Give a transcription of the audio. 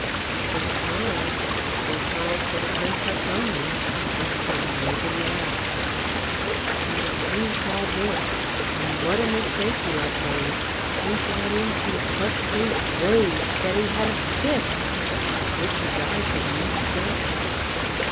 For the pearls were pearls for the Prin cess only, and for nobody else. When the King saw this, and what a mistake he had made, he got into such a rage that he had a fit, of which he died the next day.